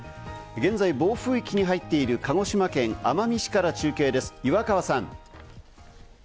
現在、暴風域に入っている鹿児島県奄美市から中継です、岩川さん。